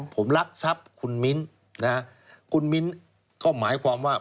ผมรักทรัพย์คุณมิ้นคุณมิ้นก็หมายความว่า